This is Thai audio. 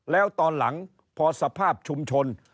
แล้วตอนหลังพอสภาพชุมชน